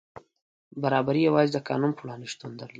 برابري یوازې د قانون په وړاندې شتون درلود.